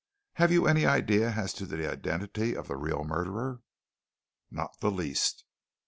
"Have you any idea as to the identity of the real murderer?" "Not the least!"